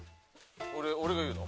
俺俺が言うの？